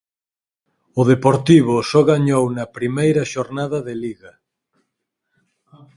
O Deportivo só gañou na primeira xornada de Liga.